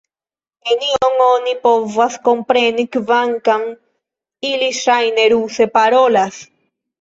Nenion oni povas kompreni, kvankam ili ŝajne ruse parolas!